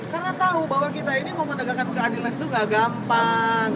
karena tahu bahwa kita ini mau menegakkan keadilan itu tidak gampang